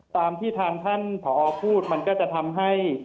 ตามที่ทางท่านผอพูดมันก็จะทำให้